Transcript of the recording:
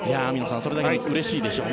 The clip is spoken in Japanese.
それだけにうれしいでしょうね。